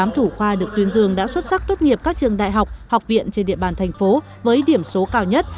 tám thủ khoa được tuyên dương đã xuất sắc tốt nghiệp các trường đại học học viện trên địa bàn thành phố với điểm số cao nhất